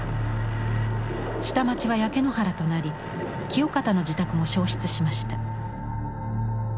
下町は焼け野原となり清方の自宅も焼失しました。